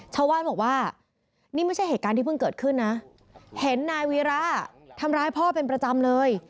ชาวบ้านบอกว่านี่ไม่ใช่เหตุการณ์ที่เพิ่งเกิดขึ้นนะเห็นนายวีระทำร้ายพ่อเป็นประจำเลย